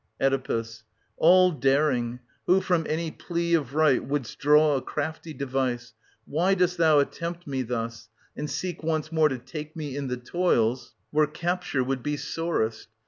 Oe. All daring, who from any plea of right wouldst draw a crafty device, why dost thou attempt me thus, and seek once more to take me in the toils where capture would be sorest